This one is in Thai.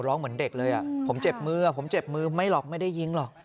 ร้องเหมือนเด็กเลยเฮ้อผมเจ็บมือเด็กเลย